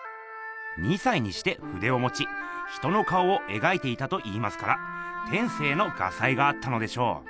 ２歳にしてふでをもち人の顔を描いていたといいますから天せいの画才があったのでしょう。